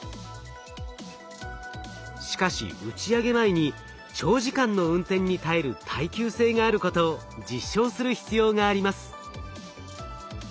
しかし打ち上げ前に長時間の運転に耐える耐久性があることを実証する必要があります。